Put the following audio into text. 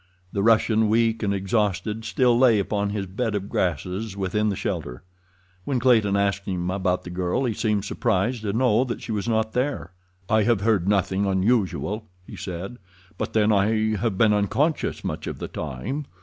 The Russian, weak and exhausted, still lay upon his bed of grasses within the shelter. When Clayton asked him about the girl he seemed surprised to know that she was not there. "I have heard nothing unusual," he said. "But then I have been unconscious much of the time."